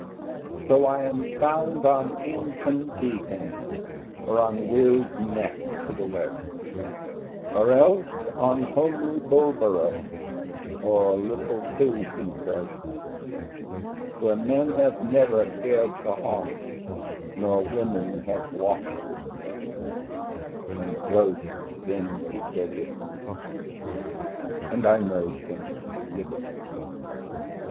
So I am found on Ingpen Beacon, or on Wylls Neck to the west, Or else on homely Bulbarrow, or little Pilsdon Crest, Where men have never cared to haunt, nor women have walked with me, And ghosts then keep their distance; and I know some liberty.